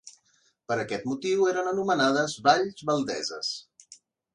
Per aquest motiu eren anomenades Valls Valdeses.